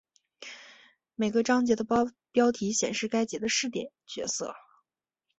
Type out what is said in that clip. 每个章节的标题显示该节的视点角色。